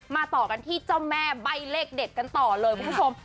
ต่อกันที่เจ้าแม่ใบ้เลขเด็ดกันต่อเลยคุณผู้ชม